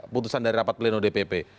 putusan dari rapat pleno dpp